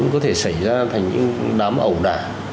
có thể xảy ra thành những đám ẩu đả